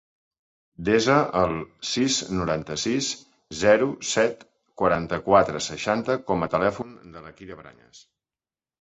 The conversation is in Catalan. Desa el sis, noranta-sis, zero, set, quaranta-quatre, seixanta com a telèfon de la Kira Brañas.